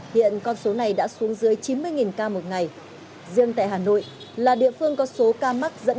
hiện con số này đã xuống dưới chín mươi ca một ngày riêng tại hà nội là địa phương có số ca mắc dẫn